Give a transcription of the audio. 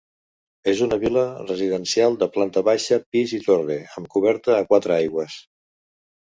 És una vil·la residencial de planta baixa, pis i torre, amb coberta a quatre aigües.